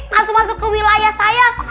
masuk masuk ke wilayah saya